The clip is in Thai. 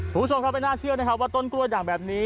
ผู้ชมเขาไปน่าเชี่ยวนะครับว่าต้นกล้วนอย่างแบบนี้